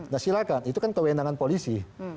nah silakan itu kan kewenangan polisi